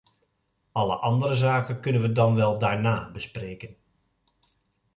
Alle andere zaken kunnen we dan wel daarna bespreken.